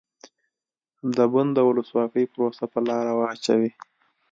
د بن د ولسواکۍ پروسه په لاره واچوي.